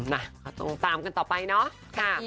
นะก็ต้องตามกันต่อไปเนาะ